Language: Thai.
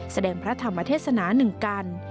แสดงพระธรรมเทศนาหนึ่งกัน